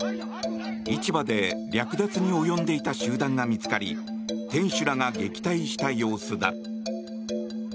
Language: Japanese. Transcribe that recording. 市場で略奪に及んでいた集団が見つかり店主らが撃退した様子だ。